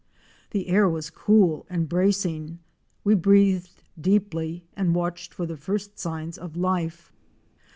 The air was cool and bracing, we breathed deeply and watched for the first signs of life.